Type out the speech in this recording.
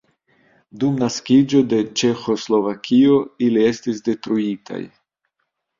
Dum naskiĝo de Ĉeĥoslovakio ili estis detruitaj.